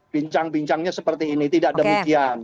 bincang bincangnya seperti ini tidak demikian